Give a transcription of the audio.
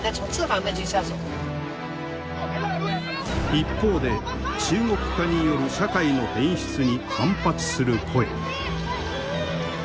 一方で中国化による社会の変質に反発する声。